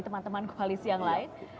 teman teman koalisi yang lain